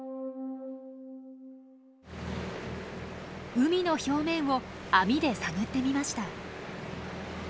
海の表面を網で探ってみました。